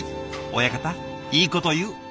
親方いいこと言う。